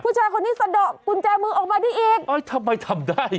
ผู้ชายคนนี้สะดอกกุญแจมือออกมาได้อีกอ๋อทำไมทำได้